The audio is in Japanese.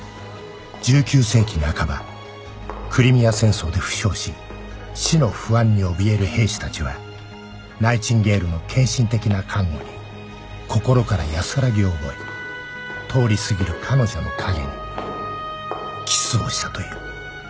１９世紀半ばクリミア戦争で負傷し死の不安におびえる兵士たちはナイチンゲールの献身的な看護に心から安らぎを覚え通り過ぎる彼女の影にキスをしたという